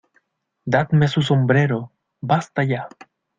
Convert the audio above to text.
¡ Dadme su sombrero! ¡ basta ya !